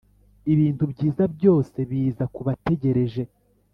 ibintu byiza byose biza kubategereje